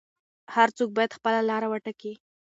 هر څوک باید خپله لاره وټاکي.